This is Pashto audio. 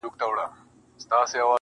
بس چي کله دي کابل کي یوه شپه سي,